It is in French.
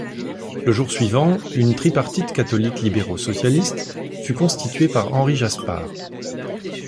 Le jour suivant une tripartite catholiques-libéraux-socialistes fut constituée par Henri Jaspar.